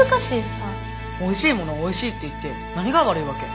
おいしいものをおいしいって言って何が悪いわけ？